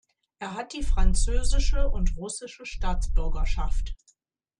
Er hat die französische und russische Staatsbürgerschaft.